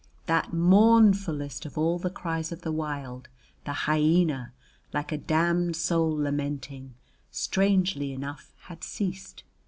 That mournfullest of all the cries of the wild, the hyæna like a damned soul lamenting, strangely enough had ceased.